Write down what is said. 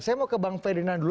saya mau ke bang ferdinand dulu